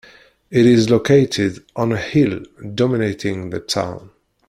It is located on a hill dominating the town.